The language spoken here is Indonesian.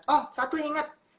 oh satu ingat